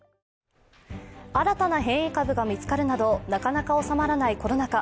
新たな変異株が見つかるなどなかなか収まらないコロナ禍。